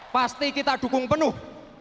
pasti kita dukung penuh